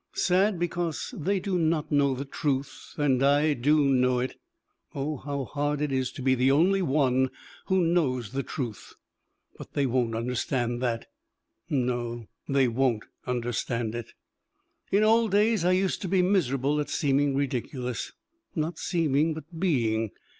Sad because they do not know the truth and I do know it. Oh, how hard it is to be the only one who knows the truth! But they won't understand that. No, they won't understand it. In old days I used to be miserable at seeming ridiculous. Not seeming, but being.